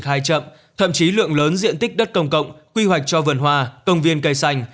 hai chậm thậm chí lượng lớn diện tích đất công cộng quy hoạch cho vườn hoa công viên cây xanh